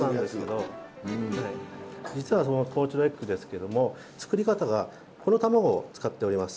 実はそのポーチドエッグですけども作り方がこのたまごを使っております。